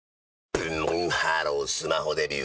ブンブンハロースマホデビュー！